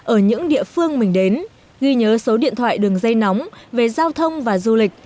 ở những địa phương mình đến ghi nhớ số điện thoại đường dây nóng về giao thông và du lịch